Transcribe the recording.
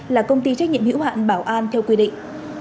là công ty trách nhiệm hữu hạn bảo an theo quy định